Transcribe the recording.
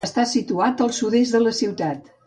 Està situat al sud-est de la ciutat.